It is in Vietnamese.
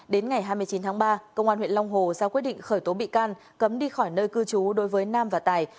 đến ngày hai mươi chín tháng ba công an huyện long hồ ra quyết định khởi tố bị can cấm đi khỏi nơi cư trú đối với nam và tài